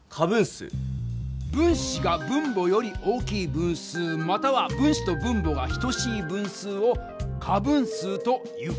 分子が分母より大きい分数または分子と分母が等しい分数を仮分数という。